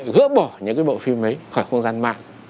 gỡ bỏ những cái bộ phim ấy khỏi không gian mạng